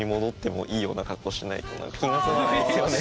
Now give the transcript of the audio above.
気が済まないんですよね。